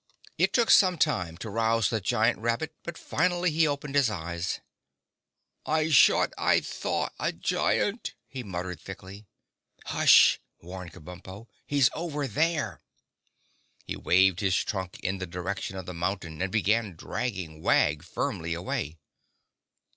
It took some time to rouse the giant rabbit, but finally he opened his eyes. "I shought I thaw a giant," he muttered thickly. "Hush!" warned Kabumpo. "He's over there." He waved his trunk in the direction of the mountain and began dragging Wag firmly away.